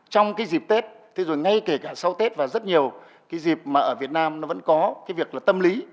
trong cái dịp tết thế rồi ngay kể cả sau tết và rất nhiều cái dịp mà ở việt nam nó vẫn có cái việc là tâm lý